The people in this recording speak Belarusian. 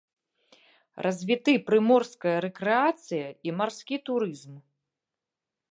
Развіты прыморская рэкрэацыя і марскі турызм.